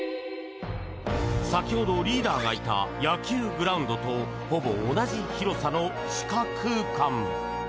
先ほどリーダーがいた野球グラウンドとほぼ同じ広さの地下空間。